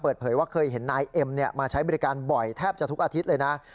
เปิดเผยว่าเคยเห็นนายเอ็มมาใช้บริการบ่อยแทบจะทุกอาทิตย์เลยนะ